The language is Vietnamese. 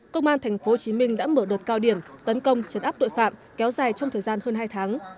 công an tp hcm đã mở đợt cao điểm tấn công chấn áp tội phạm kéo dài trong thời gian hơn hai tháng